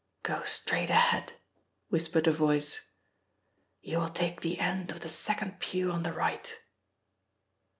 "Go straight ahead," whispered a voice. "You will take the end of the second pew on the right."